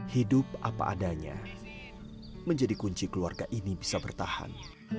hidup apa adanya menjadi kunci keluarga ini bisa bertahan